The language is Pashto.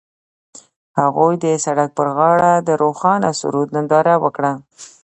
هغوی د سړک پر غاړه د روښانه سرود ننداره وکړه.